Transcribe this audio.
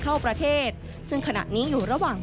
เข้าประเทศซึ่งขณะนี้อยู่ระหว่าง